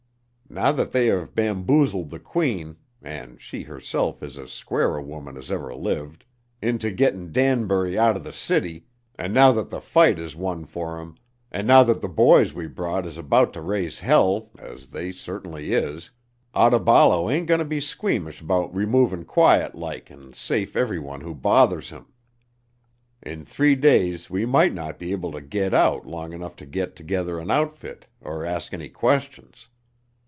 Now thet they have bamboozled the Queen (an' she herself is as squar' a little woman as ever lived) inter gittin' Danbury outer th' city, an' now thet the fight is won fer 'em, an' now thet th' boys we brought is about ter raise hell (as they certainly is), Otaballo ain't goneter be squeamish 'bout removin' quiet like and safe everyone who bothers him. In three days we might not be able to git out long 'nuff to git tergether an outfit er ask any questions.